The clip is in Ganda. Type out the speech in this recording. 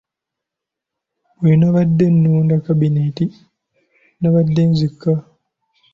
Bwe nabadde nnonda kabineeti nabadde nzekka.